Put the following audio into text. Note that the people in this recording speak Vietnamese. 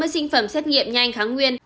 sáu mươi sinh phẩm xét nghiệm nhanh kháng nguyên